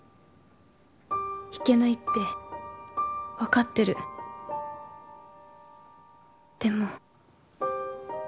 いけないって分かってるでも